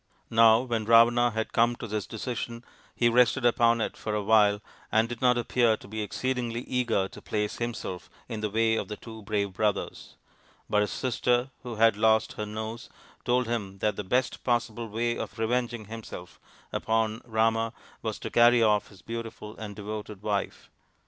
Now when Ravana had come to this decision, he rested upon it for a while and did not appear to be exceedingly eager to place himself in the way of the two brave brothers ; but his sister, who had lost her nose, told him that the best possible way of revenging himself upon Rama was to carry off his beautiful and devoted wife.